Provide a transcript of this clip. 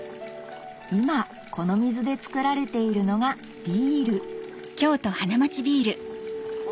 今この水で造られているのがビールあ